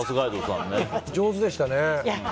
上手でしたね。